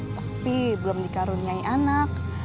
tapi belum dikaruniai anak